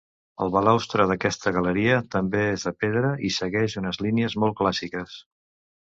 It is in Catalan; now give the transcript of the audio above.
El balustre d'aquesta galeria també és de pedra i segueix unes línies molt clàssiques.